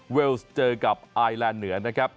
เวลอ์เวิลดส์เจอกับไอไลนด์เหนือนะครับ